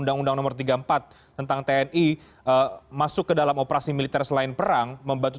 nah untuk operasi militer selain perang